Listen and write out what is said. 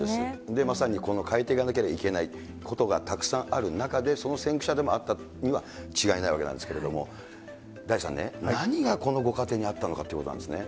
まさにこの変えてかなければいけないことがたくさんある中で、その先駆者でもあったには違いないわけなんですけれども、大地さんね、何が、このご家庭にあったのかということなんですね。